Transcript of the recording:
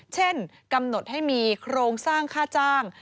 เช่นกำหนดให้มีโครงสร้างค่าจ้าง